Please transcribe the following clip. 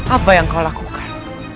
apa yang kau lakukan